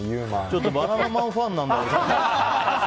ちょっと、バナナマンのファンなんだからさ。